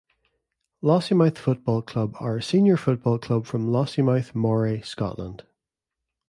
Lossiemouth Football Club are a senior football club from Lossiemouth, Moray, Scotland.